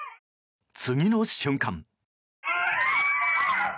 次の瞬間。